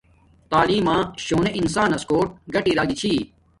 تعیلم ما شونے انسانس کوٹ ۔گاٹی ارا گی چھی